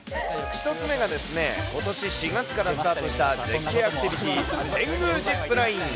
１つ目が、ことし４月からスタートした、絶景アクティビティー、テングージップライン。